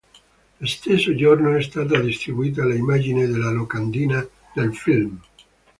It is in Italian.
Lo stesso giorno è stata distribuita l'immagine della locandina del film.